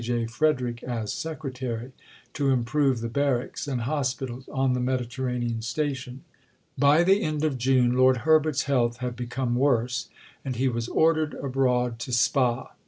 J. Frederick as Secretary, to improve the Barracks and Hospitals on the Mediterranean Station. By the end of June, Lord Herbert's health had become worse, and he was ordered abroad to Spa.